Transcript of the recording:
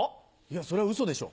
それはウソでしょ。